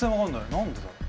何でだ？